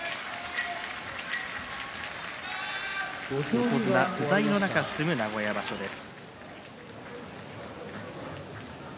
横綱不在の中、進む名古屋場所です。